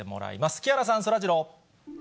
木原さん、そらジロー。